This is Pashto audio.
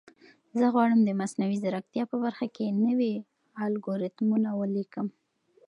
زه غواړم د مصنوعي ځیرکتیا په برخه کې نوي الګوریتمونه ولیکم.